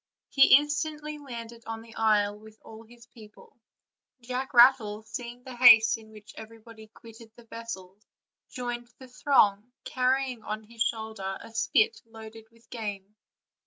He instantly landed on the isle with all his peo ple' Jack Battle, seeiug the haste in which everybody OLD, OLD FAIRY TALES. 353 quitted the vessels, .joined the throng, carrying on his shoulder a spit loaded with game.